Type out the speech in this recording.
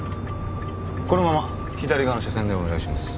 このまま左側の車線でお願いします。